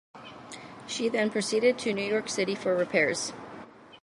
She then proceeded to New York City for repairs.